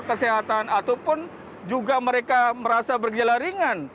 kesehatan ataupun juga mereka merasa bergejala ringan